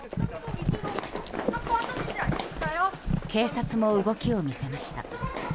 警察も動きを見せました。